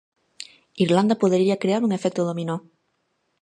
Irlanda podería crear un efecto dominó.